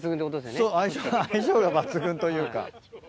そう相性相性が抜群というか。